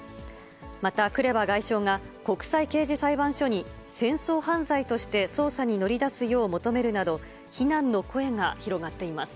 またクレバ外相が、国際刑事裁判所に、戦争犯罪として捜査に乗り出すよう求めるなど、非難の声が広がっています。